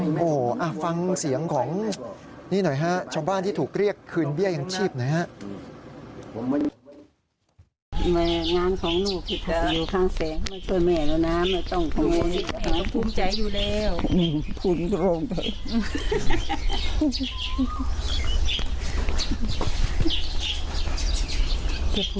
โอ้โฮฟังเสียงของชาวบ้านที่ถูกเรียกคืนเบี้ยอย่างชีพนะครับ